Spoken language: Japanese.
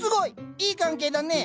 いい関係だね。